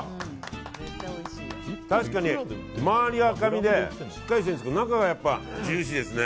確かに周りは赤身でしっかりしているんですけど中がやっぱりジューシーですね。